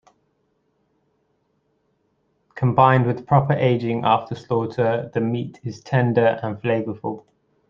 Combined with proper aging after slaughter, the meat is tender and flavorful.